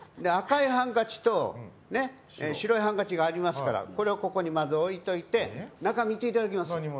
赤いハンカチとね白いハンカチがありますからこれをここにまず置いといて中見ていただきます。